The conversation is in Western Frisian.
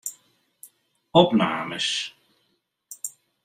Opnames.